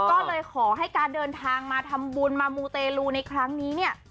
ก็เลยขอให้การเดินทางมาทำบุญมามูเตลูในครั้งนี้เนี่ย